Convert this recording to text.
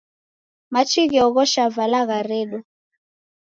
Machi gheoghosha vala gharedwa.